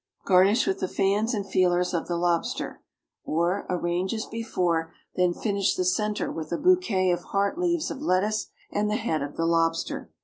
Garnish with the fans and feelers of the lobster. Or, arrange as before, then finish the centre with a bouquet of heart leaves of lettuce and the head of the lobster.